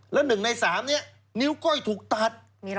แล้ว๑ใน๓นี้นิ้วก้อยถูกตัด